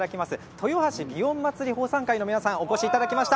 豊橋祇園祭奉賛会の皆さんにお越しいただきました。